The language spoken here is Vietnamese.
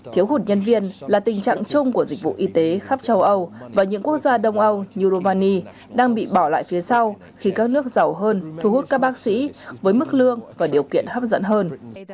thiếu hụt nhân viên là tình trạng chung của dịch vụ y tế khắp châu âu và những quốc gia đông âu như romani đang bị bỏ lại phía sau khi các nước giàu hơn thu hút các bác sĩ với mức lương và điều kiện hấp dẫn hơn